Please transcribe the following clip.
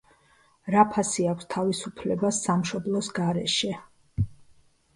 რა ფასი აქვს თავისუფლებას სამშობლოს გარეშე?